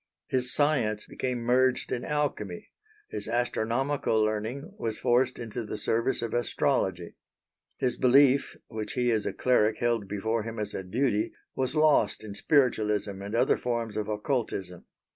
His science became merged in alchemy, his astronomical learning was forced into the service of Astrology. His belief, which he as a cleric held before him as a duty, was lost in spiritualism and other forms of occultism.